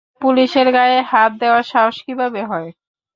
পুলিশের গায়ে হাত দেওয়ার সাহস কীভাবে হয়!